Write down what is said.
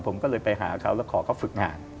ผมก็เลยไปหาเขาแล้วขอเขาฝึกงาน